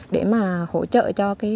để hỗ trợ cho